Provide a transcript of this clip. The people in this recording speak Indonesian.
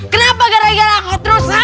kenapa gara gara aku terus